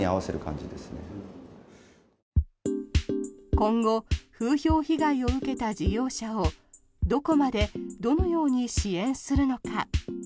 今後、風評被害を受けた事業者をどこまでどのように支援するのか。